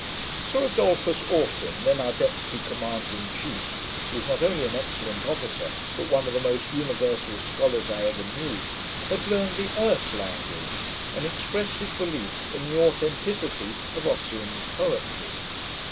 Sir Adolphus Oughton, then our Deputy Commander in Chief, who was not only an excellent officer, but one of the most universal scholars I ever knew, had learned the Erse language, and expressed his belief in the authenticity of Ossian's poetry.